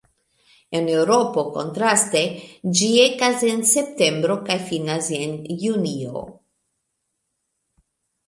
En Eŭropo, kontraste, ĝi ekas en septembro kaj finas en junio.